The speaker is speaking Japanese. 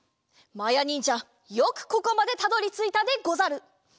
まやにんじゃよくここまでたどりついたでござる！